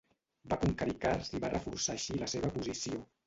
Va conquerir Kars i va reforçar així la seva posició.